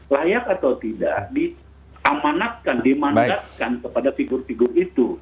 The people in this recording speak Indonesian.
layak atau tidak diamanatkan dimandatkan kepada figur figur itu